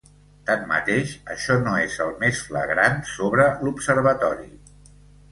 Tanmateix, això no és el més flagrant sobre l’observatori.